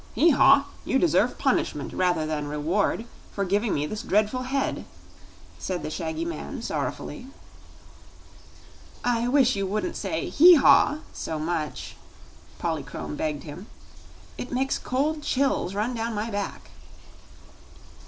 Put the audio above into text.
"Hee haw! You deserve punishment, rather than reward, for giving me this dreadful head," said the shaggy man, sorrowfully. "I wish you wouldn't say 'hee haw' so much," Polychrome begged him; "it makes cold chills run down my back."